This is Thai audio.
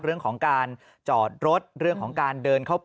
เรื่องของการ